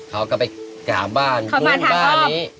เขาก็ไปกามาร์บ้านไปกามาร์บ